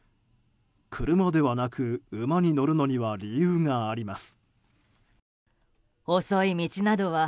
車ではなく馬に乗るのには理由があります。